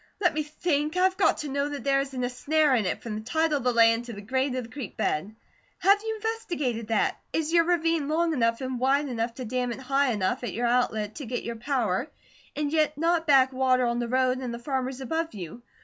Let me think! I've got to know that there isn't a snare in it, from the title of the land to the grade of the creek bed. Have you investigated that? Is your ravine long enough and wide enough to dam it high enough at our outlet to get your power, and yet not back water on the road, and the farmers above you?